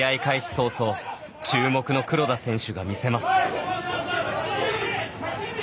早々注目の黒田選手が見せます。